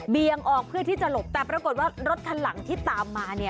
ออกเพื่อที่จะหลบแต่ปรากฏว่ารถคันหลังที่ตามมาเนี่ย